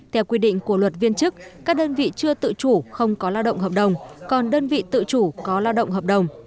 theo quy định của luật viên chức các đơn vị chưa tự chủ không có lao động hợp đồng còn đơn vị tự chủ có lao động hợp đồng